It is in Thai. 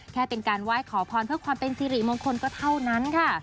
แค่เป็นการไหว้ขอพรเพื่อความเป็นสิริมงคลก็เท่านั้นค่ะ